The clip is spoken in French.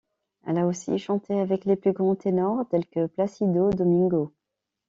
Elle a aussi chanté avec les plus grands ténors tel que Plácido Domingo.